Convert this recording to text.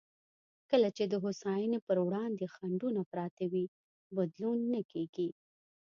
کله چې د هوساینې پر وړاندې خنډونه پراته وي، بدلون نه کېږي.